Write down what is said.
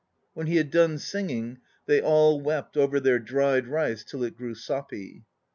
"When he had done singing, they all wept over their dried rice till it grew soppy."